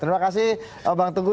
terima kasih bang tunggu